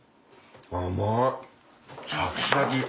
甘いシャキシャキ。